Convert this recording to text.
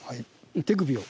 手首を。